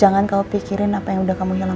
jangan kamu pikirin apa yang udah kamu hilang aja